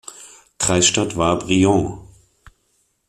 Kreisstadt war Brilon.